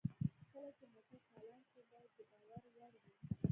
کله چې موټر چالان شو باید د باور وړ وي